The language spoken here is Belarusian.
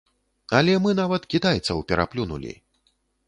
Але мы нават кітайцаў пераплюнулі!